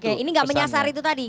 oke ini nggak menyasar itu tadi